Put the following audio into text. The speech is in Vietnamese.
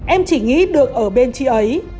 em chỉ nghĩ được ở bên chị ấy